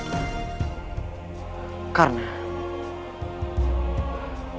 karena aku ingin kembali ke jalan yang benar